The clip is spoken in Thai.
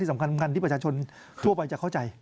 สำคัญที่ประชาชนทั่วไปจะเข้าใจ